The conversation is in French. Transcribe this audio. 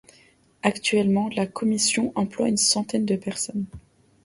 Actuellement, la commission emploie une centaine de personnes.